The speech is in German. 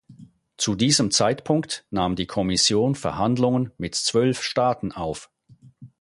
Zu diesem Zeitpunkt nahm die Kommission Verhandlungen mit zwölf Staaten auf.